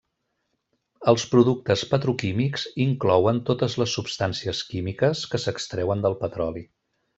Els productes petroquímics inclouen totes les substàncies químiques que s'extreuen del petroli.